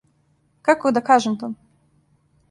Како да кажем то?